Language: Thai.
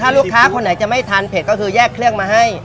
ลูกค้าคนไหนจะไม่ทานเผ็ดก็คือแยกเครื่องมาให้